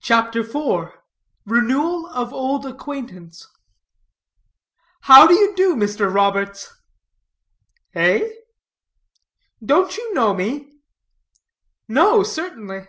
CHAPTER IV. RENEWAL OF OLD ACQUAINTANCE. "How do you do, Mr. Roberts?" "Eh?" "Don't you know me?" "No, certainly."